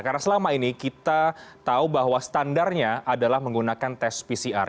karena selama ini kita tahu bahwa standarnya adalah menggunakan tes pcr